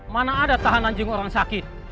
mana ada tahanan jiwa orang sakit